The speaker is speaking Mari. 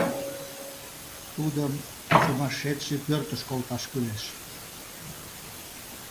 Тудым сумасшедший пӧртыш колташ кӱлеш!..